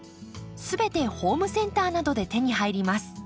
全てホームセンターなどで手に入ります。